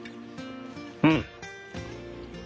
うん。